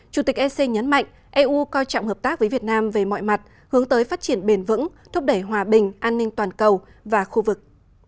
chủ tịch ec nhấn mạnh eu coi trọng hợp tác với việt nam về mọi mặt hướng tới phát triển bền vững thúc đẩy hòa bình an ninh toàn cầu và khu vực